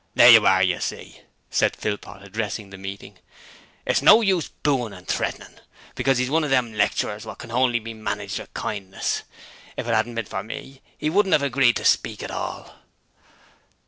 'There you are, you see,' said Philpot, addressing the meeting. 'It's no use booin' and threatenin', because 'e's one of them lecturers wot can honly be managed with kindness. If it 'adn't a bin for me, 'e wouldn't 'ave agreed to speak at all.'